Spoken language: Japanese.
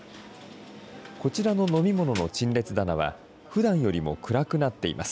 こちらの飲み物の陳列棚は、ふだんよりも暗くなっています。